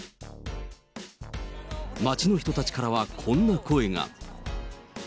街の人たちからはこんな声が。